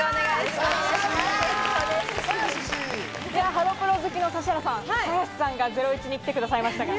ハロプロ好きの指原さん、鞘師さんが『ゼロイチ』に来てくださいましたが。